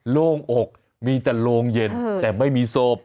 โล่งอกมีแต่โรงเย็นแต่ไม่มีศพ